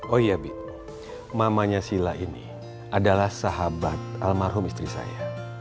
oh iya bi mamanya sila ini adalah sahabat almarhum istri saya